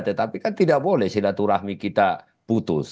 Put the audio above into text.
tetapi kan tidak boleh silaturahmi kita putus